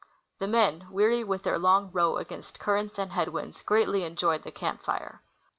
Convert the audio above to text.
The men, weary with their long row against currents and head winds, greatly enjoyed the camp fire.